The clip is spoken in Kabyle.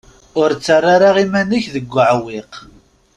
Ur ttarra ara iman-ik deg uɛewwiq.